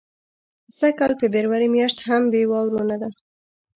سږ کال فبرورۍ میاشت هم بې واورو نه ده.